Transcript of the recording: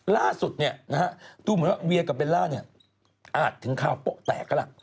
ล่าสุดดูเหมือนว่าเวียกับเบลล่าอาจถึงคราวปะแตกก็ละ